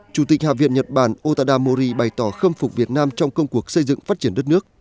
chủ tịch hạ viện nhật bản otada mori bày tỏ khâm phục việt nam trong công cuộc xây dựng phát triển đất nước